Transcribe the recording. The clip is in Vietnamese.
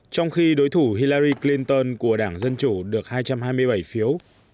trong khi đối thủ hillary clinton của đảng dân chủ được hai trăm hai mươi bảy phiếu